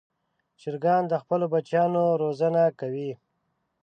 چرګان د خپلو بچیانو روزنه کوي.